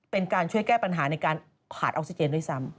เป็นการช่วยแก้ปัญหาในการขาดออกซิเจนด้วยซ้ำ